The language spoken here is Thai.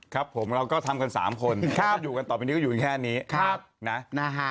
ครับผมเราก็ทำกัน๓คนถ้าอยู่กันต่อไปนี้ก็อยู่กันแค่นี้นะฮะ